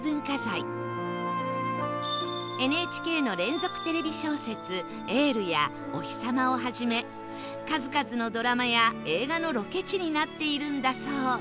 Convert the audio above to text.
ＮＨＫ の連続テレビ小説『エール』や『おひさま』をはじめ数々のドラマや映画のロケ地になっているんだそう